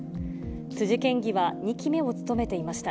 辻県議は２期目を続けていました。